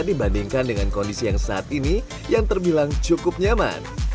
dibandingkan dengan kondisi yang saat ini yang terbilang cukup nyaman